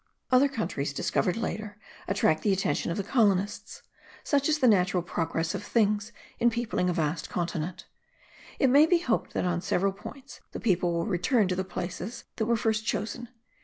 Other countries, discovered later, attract the attention of the colonists: such is the natural progress of things in peopling a vast continent. It may be hoped that on several points the people will return to the places that were first chosen.